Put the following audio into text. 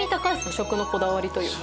食のこだわりというか。